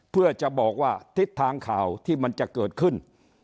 เพื่อจะบอกว่าทิศทางข่าวที่มันจะเกิดขึ้น